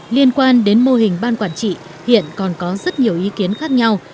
liên quan đến mô hình ban quản trị hiện còn có rất nhiều ý kiến khác nhau